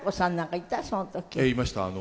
いました。